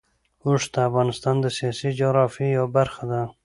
اوښ د افغانستان د سیاسي جغرافیه یوه برخه ده.